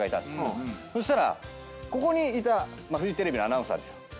そしたらここにいたフジテレビのアナウンサーですよ。